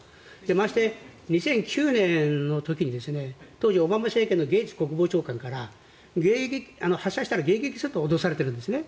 まして２００９年の時に当時オバマ政権のゲイツ国防長官から発射したら迎撃すると脅されているんですね。